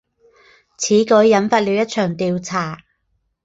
此举引发了一场调查。